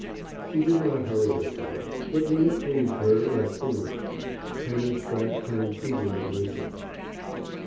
She did not hurry herself, but when it pleased her left the room. Canon Spratte turned eagerly to his son.